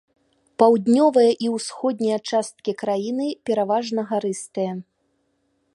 Паўднёвая і ўсходняя часткі краіны пераважна гарыстыя.